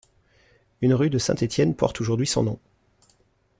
Une rue de Saint-Étienne porte aujourd'hui son nom.